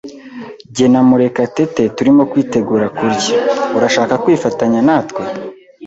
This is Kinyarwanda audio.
Jye na Murekatete turimo kwitegura kurya. Urashaka kwifatanya natwe?